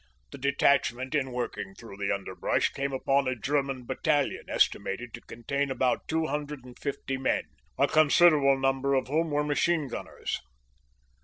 The detachment in working through the under brush came upon a German battalion estimated to contain about 250 men, a considerable number of whom were ma chine gunners.